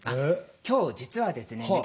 今日実はですね